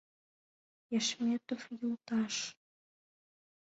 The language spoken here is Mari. Яшметов йолташ!